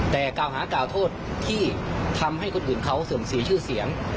แต่กล่าวหากล่าวโทษที่ทำให้คนอื่นเขาเสื่อมเสียชื่อเสียง